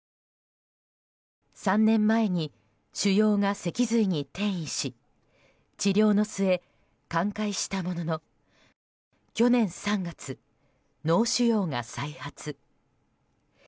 ３年前に腫瘍が脊髄に転移し治療の末、寛解したものの去年３月、脳腫瘍が再発。